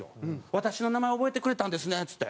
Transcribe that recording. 「私の名前覚えてくれたんですね」っつって。